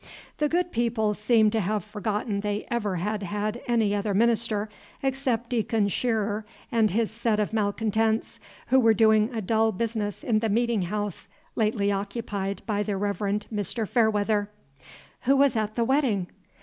The good people seemed to have forgotten they ever had had any other minister, except Deacon Shearer and his set of malcontents, who were doing a dull business in the meeting house lately occupied by the Reverend Mr. Fairweather. "Who was at the wedding?"